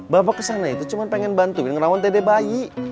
bapak kesana itu cuma pengen bantuin ngerawan tede bayi